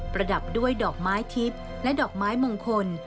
ระดับด้วยดอกไม้ทิพย์และดอกไม้มงคล